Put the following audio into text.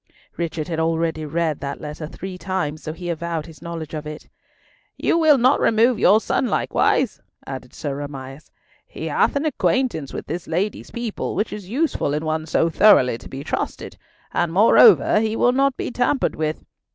Richard had already read that letter three times, so he avowed his knowledge of it. "You will not remove your son likewise?" added Sir Amias. "He hath an acquaintance with this lady's people, which is useful in one so thoroughly to be trusted; and moreover, he will not be tampered with.